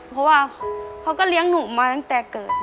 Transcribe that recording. เพราะว่าเขาก็เลี้ยงหนูมาตั้งแต่เกิด